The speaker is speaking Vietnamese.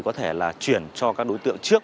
có thể chuyển cho các đối tượng trước